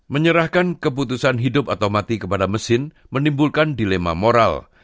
menyerahkan keputusan hidup atau mati kepada mesin menimbulkan dilema moral